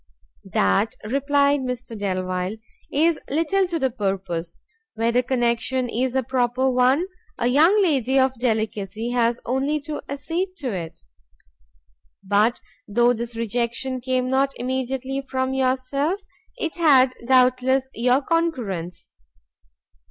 "That," replied Mr Delvile, "is little to the purpose; where the connexion is a proper one, a young lady of delicacy has only to accede to it. But though this rejection came not immediately from yourself, it had doubtless your concurrence."